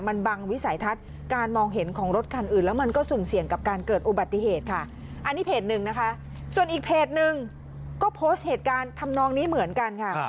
มันบังวิสัยทัศน์การมองเห็นของรถคันอื่นแล้วมันก็สุ่มเสี่ยงกับการเกิดอุบัติเหตุค่ะอันนี้เพจหนึ่งนะคะส่วนอีกเพจหนึ่งก็โพสต์เหตุการณ์ทำนองนี้เหมือนกันค่ะ